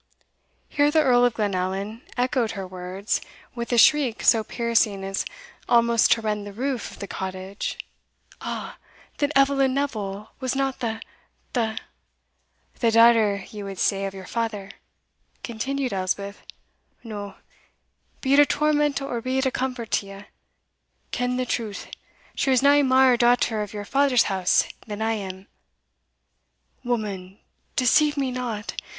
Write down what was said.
'" Here the Earl of Glenallan echoed her words, with a shriek so piercing as almost to rend the roof of the cottage. "Ah! then Eveline Neville was not the the" "The daughter, ye would say, of your father?" continued Elspeth. "No be it a torment or be it a comfort to you ken the truth, she was nae mair a daughter of your father's house than I am." "Woman, deceive me not!